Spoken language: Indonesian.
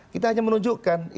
kita hanya menunjukkan